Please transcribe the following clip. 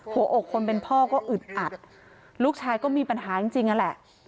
หัวอกคนเป็นพ่อก็อึดอัดลูกชายก็มีปัญหาจริงนั่นแหละ